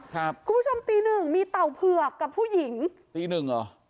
คุณผู้ชมตีหนึ่งมีเต่าเผือกกับผู้หญิงตีหนึ่งเหรอ